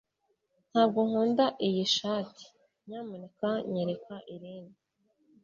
Ntabwo nkunda iyi shati. Nyamuneka nyereka irindi.